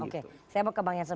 oke saya mau ke bang jansen